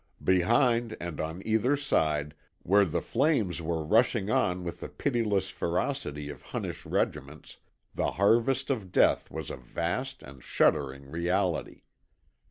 Behind and on either side, where the flames were rushing on with the pitiless ferocity of hunnish regiments, the harvest of death was a vast and shuddering reality.